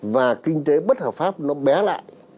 và kinh tế bất hợp pháp nó bé lại